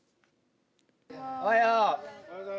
おはよう。